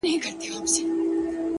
زه د بـلا سـره خـبري كـوم’